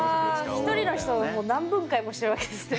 １人の人をもう何分解もしてるわけですね。